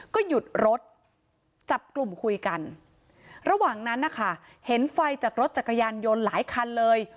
ก็หยุดรถจับกลุ่มคุยกันระหว่างนั้นนะคะเห็นไฟจากรถจักรยานยนต์หลายคันเลย